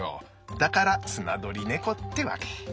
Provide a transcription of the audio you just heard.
だからスナドリネコってわけ。